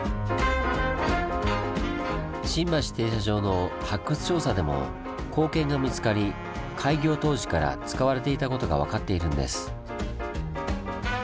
新橋停車場の発掘調査でも硬券が見つかり開業当時から使われていたことが分かっているんです。